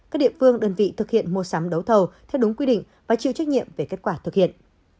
các địa phương đơn vị thực hiện mua sắm đấu thầu theo đúng quy định và chịu trách nhiệm về kết quả thực hiện